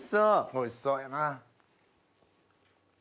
おいしそうやな。